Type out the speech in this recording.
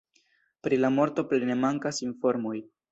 Pri la morto plene mankas informoj.